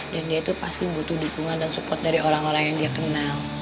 dia itu pasti butuh dukungan dan support dari orang orang yang dia kenal